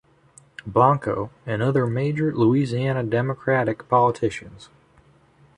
Blanco and other Major Louisiana Democrat politicians.